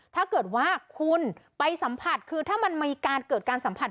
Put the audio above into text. ถ้าเกิดว่าคุณไปสัมผัสคือถ้ามันมีการเกิดการสัมผัส